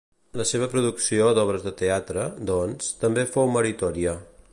La seva producció d'obres de teatre, doncs, també fou meritòria.